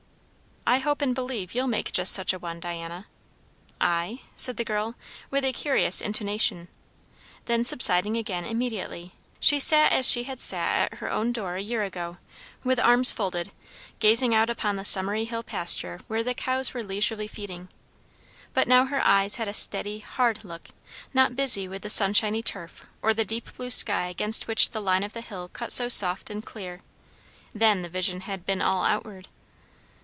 "I hope and believe you'll make just such a one, Diana." "I?" said the girl, with a curious intonation; then subsiding again immediately, she sat as she had sat at her own door a year ago, with arms folded, gazing out upon the summery hill pasture where the cows were leisurely feeding. But now her eyes had a steady, hard look, not busy with the sunshiny turf or the deep blue sky against which the line of the hill cut so soft and clear. Then the vision had been all outward.